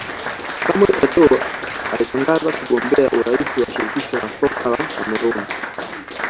Samuel Etoo alitangaza kugombea urais wa Shirikisho la Soka la Cameroon